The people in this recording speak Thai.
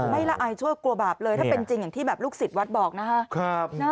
ละอายชั่วกลัวบาปเลยถ้าเป็นจริงอย่างที่แบบลูกศิษย์วัดบอกนะฮะ